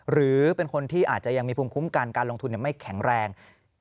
หรือเป็นคนที่อาจจะยังมีภูมิคุ้มกันการลงทุนไม่แข็งแรง